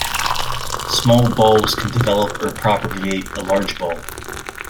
Small bulbs can develop or propagate a large bulb.